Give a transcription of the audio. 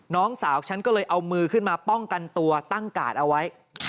น้องสาวฉันก็เลยเอามือขึ้นมาป้องกันตัวตั้งกาดเอาไว้